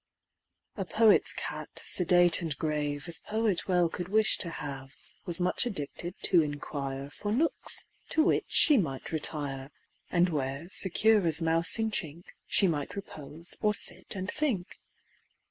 A poet's cat, sedate and grave As poet well could wish to have, Was much addicted to inquire For nooks to which she might retire, And where, secure as mouse in chink, She might repose, or sit and think.